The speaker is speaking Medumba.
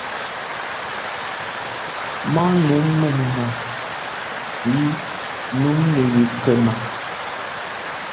Màa nèn mum nà i num neywit kena.